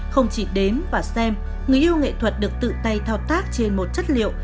không chỉ đến và xem người yêu nghệ thuật được tự tay thao tác trên một chất liệu